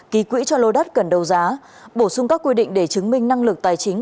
ký quỹ cho lô đất cần đầu giá bổ sung các quy định để chứng minh năng lực tài chính